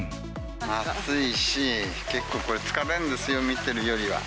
熱いし、結構これ、疲れるんですよ、見てるよりは。